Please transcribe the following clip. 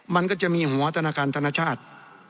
มันก็จะมีหัวธนาคารธนชาติ